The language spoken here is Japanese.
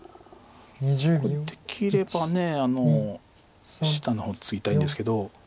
ここできれば下の方ツギたいんですけど。